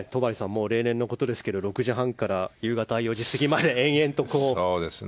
例年のことですが６時半から夕方４時過ぎまで、延々と。